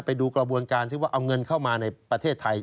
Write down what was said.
ไปดูกระบวนการซิว่าเอาเงินเข้ามาในประเทศไทย